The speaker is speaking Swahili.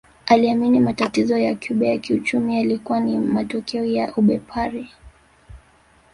Aliamini matatizo ya Cuba ya kiuchumi yalikuwa ni matokeo ya ubepari